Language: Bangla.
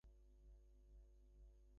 হেই, আমি এসেছি।